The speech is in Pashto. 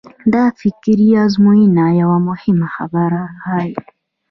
دا فکري ازموینه یوه مهمه خبره ښيي.